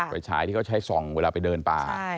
ฉายที่เขาใช้ส่องเวลาไปเดินป่า